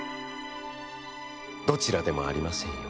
「どちらでもありませんよ。